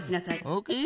オーケー。